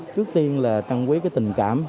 trước tiên là trân quý cái tình cảm